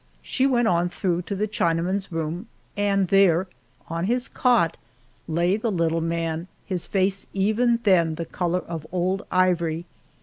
She went on through to the Chinaman's room, and there, on his cot, lay the little man, his face even then the color of old ivory.